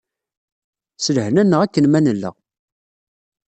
S lehna-nneɣ akken ma nella.